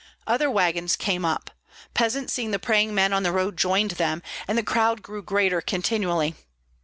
Other wagons came up. Peasants seeing the praying men on the road joined them, and the crowd grew greater continually.